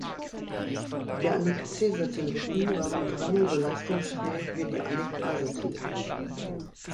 Die Anik-C-Satelliten waren dreimal so leistungsfähig wie die Anik-A-Satelliten.